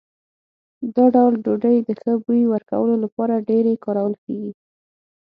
دا ډول ډوډۍ د ښه بوی ورکولو لپاره ډېرې کارول کېږي.